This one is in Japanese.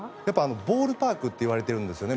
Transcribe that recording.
ボールパークといわれているんですね